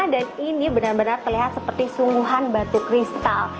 dan ini benar benar terlihat seperti sungguhan batu kristal